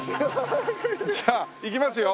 じゃあいきますよ。